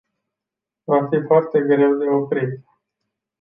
Va fi foarte greu de oprit.